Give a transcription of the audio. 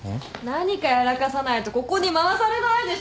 何かやらかさないとここに回されないでしょ。